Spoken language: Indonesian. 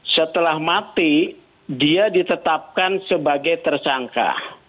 setelah mati dia ditetapkan sebagai tersangka